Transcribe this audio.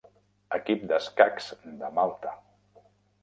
Equip d'escacs de Malta.